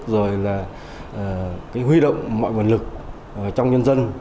rồi là huy động mọi nguồn lực trong nhân dân